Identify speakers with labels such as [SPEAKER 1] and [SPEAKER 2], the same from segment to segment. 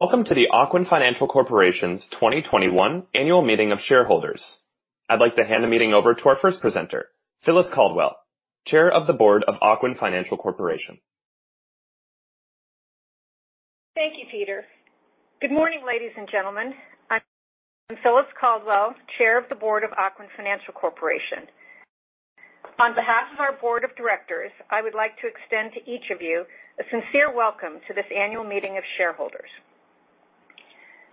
[SPEAKER 1] Welcome to the Ocwen Financial Corporation's 2021 Annual Meeting of Shareholders. I'd like to hand the meeting over to our first presenter, Phyllis Caldwell, Chair of the Board of Ocwen Financial Corporation.
[SPEAKER 2] Thank you, Peter. Good morning, ladies and gentlemen. I'm Phyllis Caldwell, Chair of the Board of Ocwen Financial Corporation. On behalf of our board of directors, I would like to extend to each of you a sincere welcome to this annual meeting of shareholders.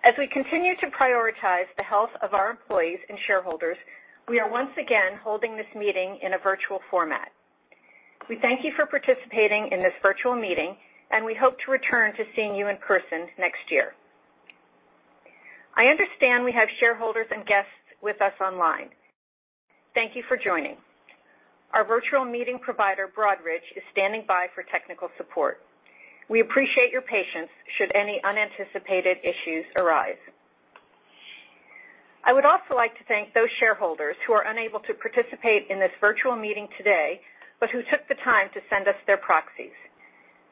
[SPEAKER 2] As we continue to prioritize the health of our employees and shareholders, we are once again holding this meeting in a virtual format. We thank you for participating in this virtual meeting, and we hope to return to seeing you in person next year. I understand we have shareholders and guests with us online. Thank you for joining. Our virtual meeting provider, Broadridge, is standing by for technical support. We appreciate your patience should any unanticipated issues arise. I would also like to thank those shareholders who are unable to participate in this virtual meeting today, but who took the time to send us their proxies.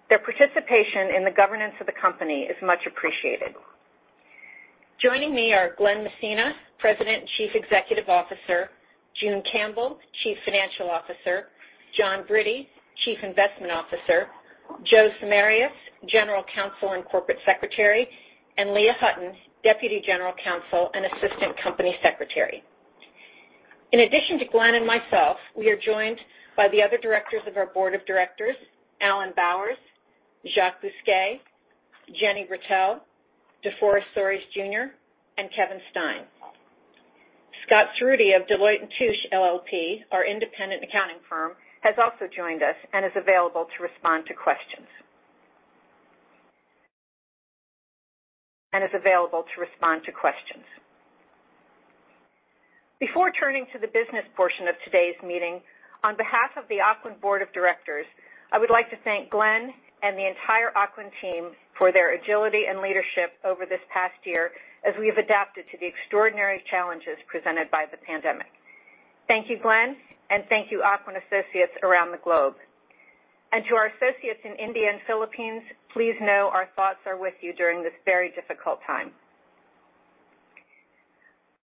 [SPEAKER 2] Their participation in the governance of the company is much appreciated. Joining me are Glen Messina, President and Chief Executive Officer, June Campbell, Chief Financial Officer, John Britti, Chief Investment Officer, Joe Samarias, General Counsel and Corporate Secretary, and Leah Hutton, Deputy General Counsel and Assistant Company Secretary. In addition to Glen and myself, we are joined by the other directors of our board of directors, Alan Bowers, Jacques Busquet, Jenne Britell, DeForest Soaries Jr., and Kevin Stein. Scott Cerutti of Deloitte & Touche LLP, our independent accounting firm, has also joined us and is available to respond to questions. Before turning to the business portion of today's meeting, on behalf of the Ocwen Board of Directors, I would like to thank Glen and the entire Ocwen team for their agility and leadership over this past year as we have adapted to the extraordinary challenges presented by the pandemic. Thank you, Glen, and thank you Ocwen associates around the globe. To our associates in India and Philippines, please know our thoughts are with you during this very difficult time.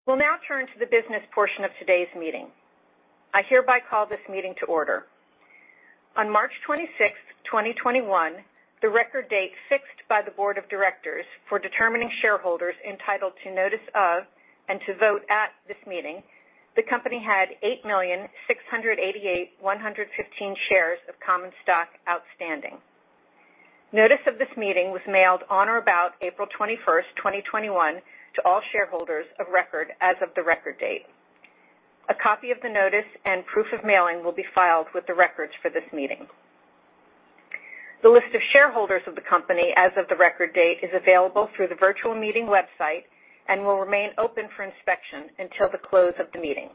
[SPEAKER 2] We'll now turn to the business portion of today's meeting. I hereby call this meeting to order. On March 26th, 2021, the record date fixed by the board of directors for determining shareholders entitled to notice of and to vote at this meeting, the company had 8,688,115 shares of common stock outstanding. Notice of this meeting was mailed on or about April 21st, 2021 to all shareholders of record as of the record date. A copy of the notice and proof of mailing will be filed with the records for this meeting. The list of shareholders of the company as of the record date is available through the virtual meeting website and will remain open for inspection until the close of the meeting.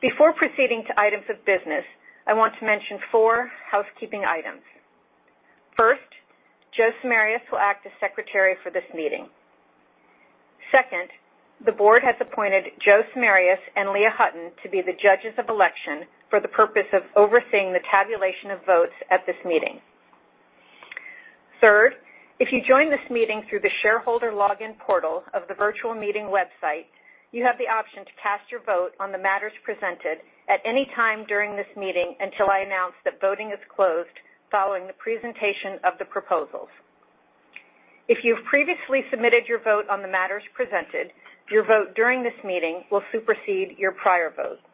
[SPEAKER 2] Before proceeding to items of business, I want to mention four housekeeping items. First, Joe Samarias will act as secretary for this meeting. Second, the board has appointed Joe Samarias and Leah Hutton to be the judges of election for the purpose of overseeing the tabulation of votes at this meeting. Third, if you joined this meeting through the shareholder login portal of the virtual meeting website, you have the option to cast your vote on the matters presented at any time during this meeting until I announce that voting is closed following the presentation of the proposals. If you've previously submitted your vote on the matters presented, your vote during this meeting will supersede your prior votes.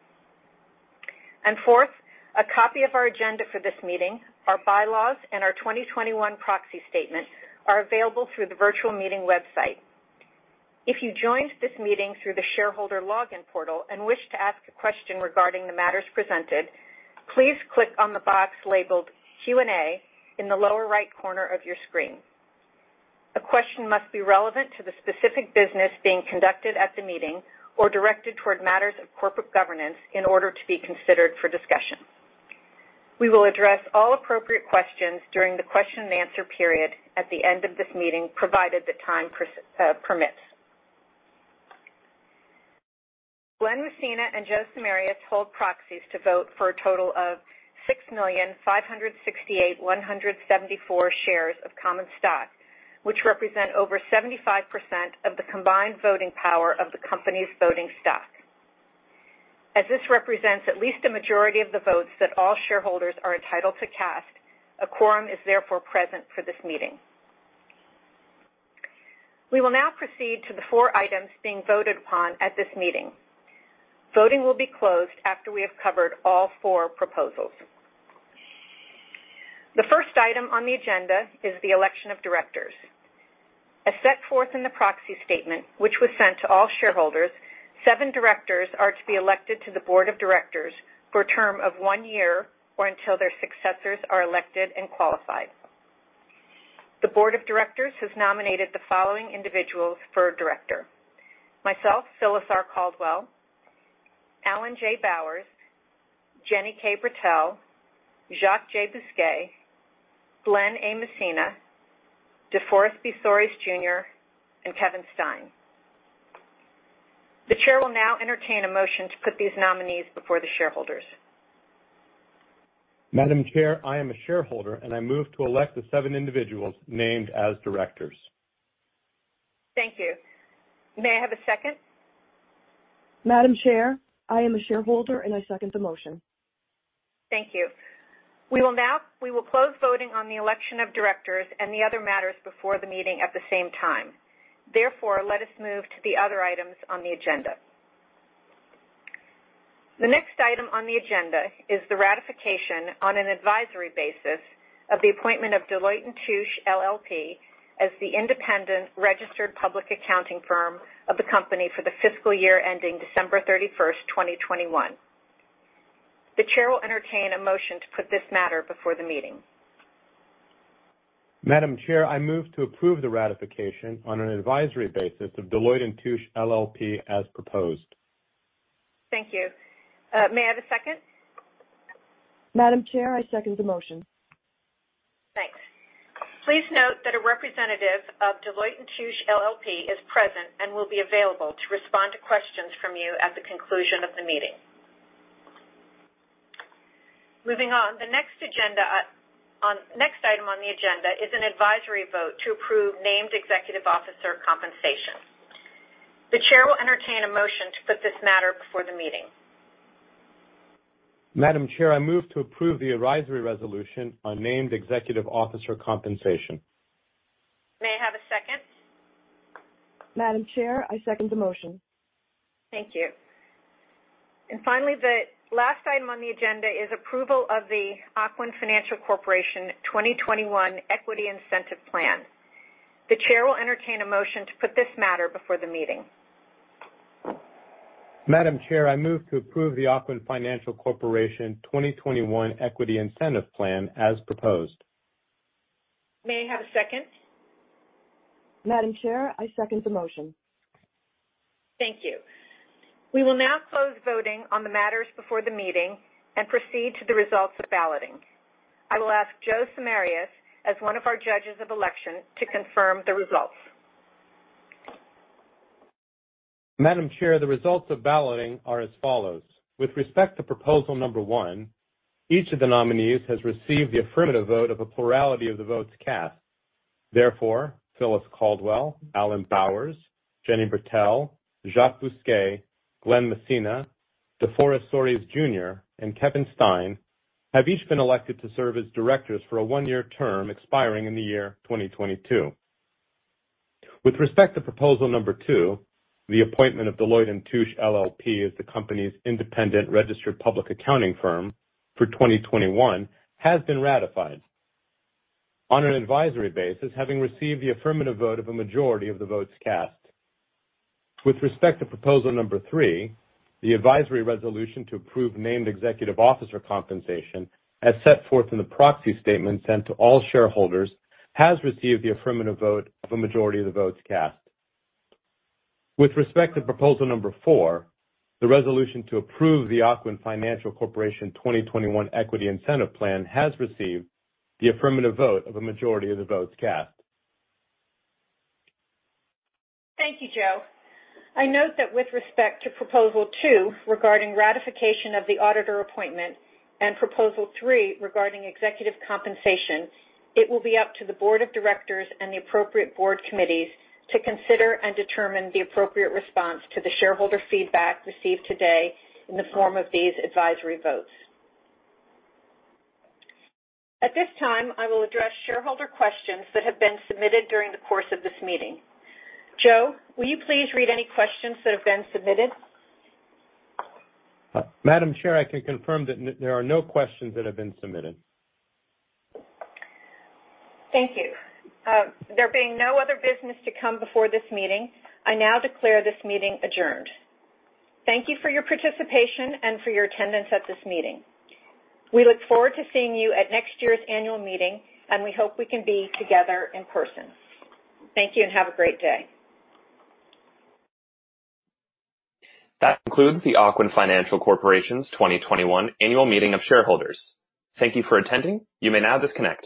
[SPEAKER 2] Fourth, a copy of our agenda for this meeting, our bylaws, and our 2021 proxy statement are available through the virtual meeting website. If you joined this meeting through the shareholder login portal and wish to ask a question regarding the matters presented, please click on the box labeled Q&A in the lower right corner of your screen. The question must be relevant to the specific business being conducted at the meeting or directed toward matters of corporate governance in order to be considered for discussion. We will address all appropriate questions during the question and answer period at the end of this meeting, provided the time permits. Glen Messina and Joseph J. Samarias hold proxies to vote for a total of 6,568,174 shares of common stock, which represent over 75% of the combined voting power of the company's voting stock. As this represents at least a majority of the votes that all shareholders are entitled to cast, a quorum is therefore present for this meeting. We will now proceed to the four items being voted on at this meeting. Voting will be closed after we have covered all four proposals. The first item on the agenda is the election of directors. As set forth in the proxy statement, which was sent to all shareholders, seven directors are to be elected to the board of directors for a term of one year or until their successors are elected and qualified. The board of directors has nominated the following individuals for a director: myself, Phyllis R. Caldwell, Alan J. Bowers, Jenne K. Britell, Jacques J. Busquet, Glen A. Messina, DeForest B. Soaries Jr., and Kevin Stein. The Chair will now entertain a motion to put these nominees before the shareholders.
[SPEAKER 3] Madam Chair, I am a shareholder, and I move to elect the seven individuals named as directors.
[SPEAKER 2] Thank you. May I have a second?
[SPEAKER 4] Madam Chair, I am a shareholder, and I second the motion.
[SPEAKER 2] Thank you. We will close voting on the election of directors and the other matters before the meeting at the same time. Therefore, let us move to the other items on the agenda. The next item on the agenda is the ratification on an advisory basis of the appointment of Deloitte & Touche LLP as the independent registered public accounting firm of the company for the fiscal year ending December 31st, 2021. The chair will entertain a motion to put this matter before the meeting.
[SPEAKER 3] Madam Chair, I move to approve the ratification on an advisory basis of Deloitte & Touche LLP as proposed.
[SPEAKER 2] Thank you. May I have a second?
[SPEAKER 4] Madam Chair, I second the motion.
[SPEAKER 2] Thanks. Please note that a representative of Deloitte & Touche LLP is present and will be available to respond to questions from you at the conclusion of the meeting. Moving on, the next item on the agenda is an advisory vote to approve named executive officer compensation. The chair will entertain a motion to put this matter before the meeting.
[SPEAKER 3] Madam Chair, I move to approve the advisory resolution on named executive officer compensation.
[SPEAKER 2] May I have a second?
[SPEAKER 4] Madam Chair, I second the motion.
[SPEAKER 2] Thank you. Finally, the last item on the agenda is approval of the Ocwen Financial Corporation 2021 Equity Incentive Plan. The chair will entertain a motion to put this matter before the meeting.
[SPEAKER 3] Madam Chair, I move to approve the Ocwen Financial Corporation 2021 Equity Incentive Plan as proposed.
[SPEAKER 2] May I have a second?
[SPEAKER 4] Madam Chair, I second the motion.
[SPEAKER 2] Thank you. We will now close voting on the matters before the meeting and proceed to the results of balloting. I will ask Joseph Samarias, as one of our judges of election, to confirm the results.
[SPEAKER 5] Madam Chair, the results of balloting are as follows. With respect to proposal number one, each of the nominees has received the affirmative vote of a plurality of the votes cast. Therefore, Phyllis Caldwell, Alan Bowers, Jenne Britell, Jacques Busquet, Glen Messina, DeForest Soaries Jr., and Kevin Stein have each been elected to serve as directors for a one-year term expiring in the year 2022. With respect to proposal number two, the appointment of Deloitte & Touche LLP as the company's independent registered public accounting firm for 2021 has been ratified on an advisory basis, having received the affirmative vote of a majority of the votes cast. With respect to proposal number three, the advisory resolution to approve named executive officer compensation, as set forth in the proxy statement sent to all shareholders, has received the affirmative vote of a majority of the votes cast. With respect to proposal number four, the resolution to approve the Ocwen Financial Corporation 2021 Equity Incentive Plan has received the affirmative vote of a majority of the votes cast.
[SPEAKER 2] Thank you, Joe. I note that with respect to proposal two regarding ratification of the auditor appointment and proposal three regarding executive compensation, it will be up to the board of directors and the appropriate board committees to consider and determine the appropriate response to the shareholder feedback received today in the form of these advisory votes. At this time, I will address shareholder questions that have been submitted during the course of this meeting. Joe, will you please read any questions that have been submitted?
[SPEAKER 5] Madam Chair, I can confirm that there are no questions that have been submitted.
[SPEAKER 2] Thank you. There being no other business to come before this meeting, I now declare this meeting adjourned. Thank you for your participation and for your attendance at this meeting. We look forward to seeing you at next year's annual meeting, and we hope we can be together in person. Thank you and have a great day.
[SPEAKER 1] That concludes the Ocwen Financial Corporation's 2021 annual meeting of shareholders. Thank you for attending. You may now disconnect.